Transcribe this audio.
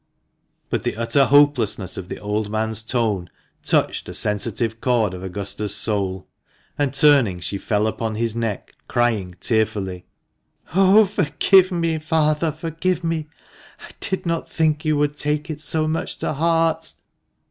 But the utter hopelessness of the old man's tone touched a sensitive chord of Augusta's soul, and turning, she fell upon his THE MANCHESTER MAN. 375 neck crying tearfully, " Oh, forgive me, father, forgive me. I did not think you would take it so much to heart."